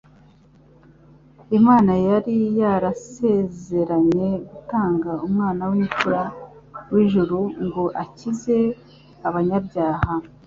Imana yari yarasezeranye gutanga Umwana w'imfura w'ijuru ngo akize abanyabyaha